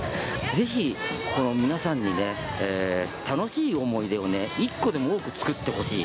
ぜひ、皆さんにね、楽しい思い出を一個でも多く作ってほしい。